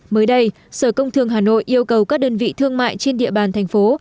mới đây sở công thương hà nội yêu cầu các đơn vị thương mại trên địa bàn thành phố